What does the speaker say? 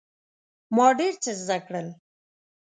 ما ډیر څه زده کړل.